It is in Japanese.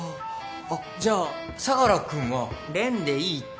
あっじゃあ相良君は。レンでいいって。